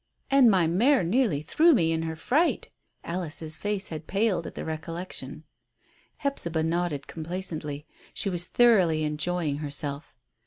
"And my mare nearly threw me in her fright." Alice's face had paled at the recollection. Hephzibah nodded complacently. She was thoroughly enjoying herself.